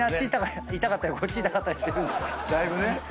だいぶね。